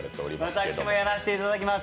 私もやらせていただきます。